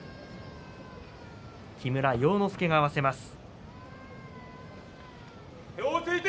木村要之助が合わせます。